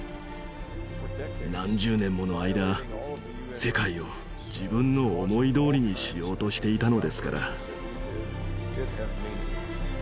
何十年もの間世界を自分の思いどおりにしようとしていたのですから。